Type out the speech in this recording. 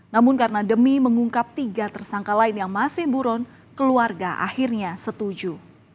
namun karena demi mengungkap tiga tersangka lain yang masih buron keluarga akhirnya setuju